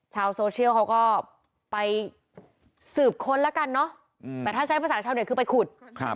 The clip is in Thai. ชาวโซเชียลเขาก็ไปสืบค้นแล้วกันเนอะแต่ถ้าใช้ภาษาชาวเด็ดคือไปขุด